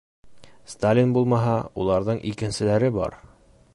Сталин булмаһа, уларҙың икенселәре бар.